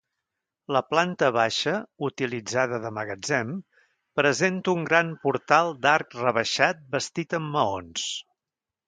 La planta baixa, utilitzada de magatzem, presenta un gran portal d'arc rebaixat bastit amb maons.